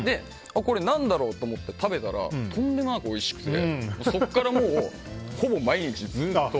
これ、何だろうと思って食べたらとんでもなくおいしくてそこからもう、ほぼ毎日ずっと。